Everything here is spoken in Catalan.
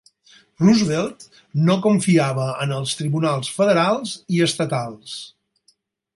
Roosevelt no confiava en els tribunals federals i estatals.